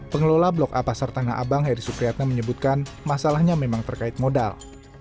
pengelola blok a pasar tanah abang heri supriyatna menyebutkan masalahnya memang terkait modal